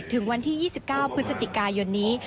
ถึงวันที่๒๙พฤศจิกายนนี้